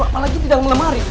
apalagi di dalam lemari